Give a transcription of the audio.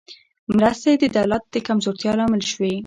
مرستې د دولت د کمزورتیا لامل شوې.